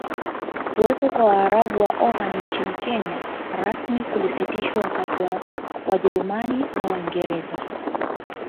Kuwepo kwa Waarabu wa Omani nchini Kenya rasmi kulisitishwa wakati Wajerumani na Waingereza